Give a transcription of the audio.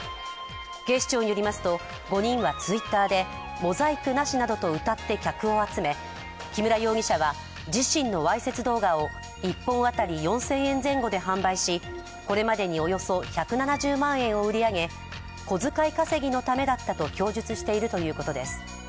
警視庁によりますと５人はＴｗｉｔｔｅｒでモザイクなしなどとうたって客を集め木村容疑者は自身のわいせつ動画を１本当たり４０００円前後で販売し、これまでにおよそ１７０万円を売り上げ、小遣い稼ぎのためだったと供述しているということです。